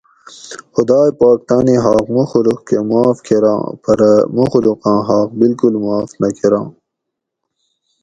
خدائ پاک تانی حاق مخلوق کہ معاف کراں پرہ مخلوقاں حاق بالکل معاف نہ کراں